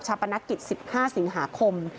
ชาปนกิจ๑๕สิงหาคม